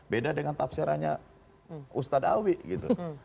beda dengan tafsirannya ustadzawi gitu